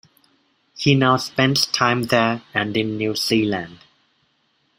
He now spends time there and in New Zealand.